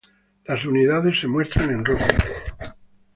Las unidades se muestran en rojo.